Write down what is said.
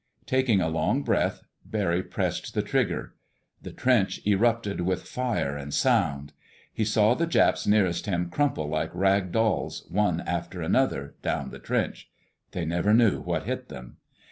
Taking a long breath, Barry pressed the trigger. The trench erupted with fire and sound. He saw the Japs nearest him crumple like rag dolls, one after another, down the trench. They never knew what hit them.